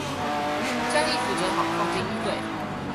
將衣服摺好放進衣櫃